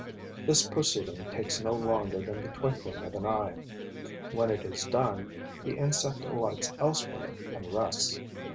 This proceeding takes no longer than the twinkling of an eye. When it is done, the insect alights elsewhere and rests.